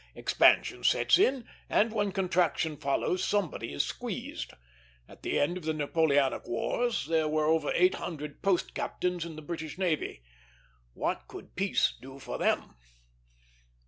Expansion sets in; and when contraction follows somebody is squeezed. At the end of the Napoleonic Wars there were over eight hundred post captains in the British navy. What could peace do for them?